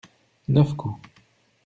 Neuf coups.